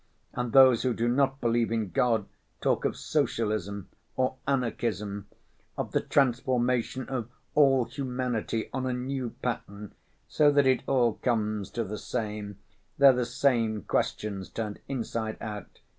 And those who do not believe in God talk of socialism or anarchism, of the transformation of all humanity on a new pattern, so that it all comes to the same, they're the same questions turned inside out.